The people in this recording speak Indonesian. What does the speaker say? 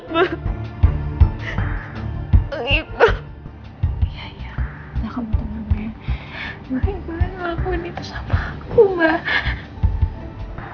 bagaimana melakuin itu sama aku mbak